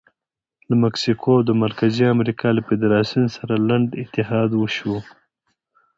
له مکسیکو او د مرکزي امریکا له فدراسیون سره لنډ اتحاد وشو.